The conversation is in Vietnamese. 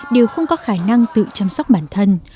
đều không có khả năng tự chăm sóc bản thân